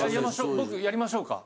僕やりましょうか？